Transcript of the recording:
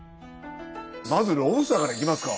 まずロブスターからいきますか。